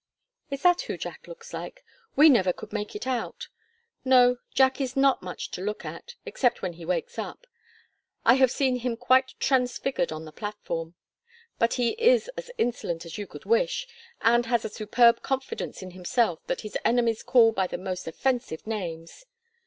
"Is that who Jack looks like? We never could make out. No, Jack is not much to look at, except when he wakes up I have seen him quite transfigured on the platform. But he is as insolent as you could wish, and has a superb confidence in himself that his enemies call by the most offensive names.